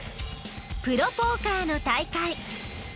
プロポーカーの大会。